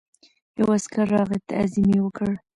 یو عسکر راغی تعظیم یې وکړ.